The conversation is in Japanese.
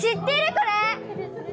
これ。